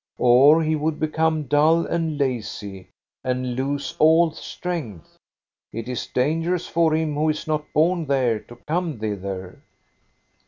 •* Or he would become dull and lazy, and lose all strength. It is dangerous for him who is not born there to come thither."